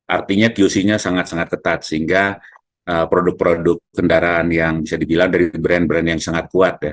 artinya qc nya sangat sangat ketat sehingga produk produk kendaraan yang bisa dibilang dari brand brand yang sangat kuat ya